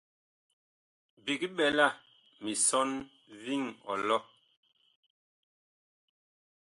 Big ɓɛla misɔn viŋ ɔlɔ.